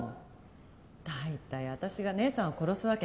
大体私が姉さんを殺すわけないでしょ？